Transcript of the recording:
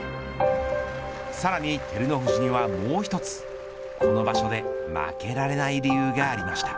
さらに照ノ富士にはもう１つこの場所で負けられない理由がありました。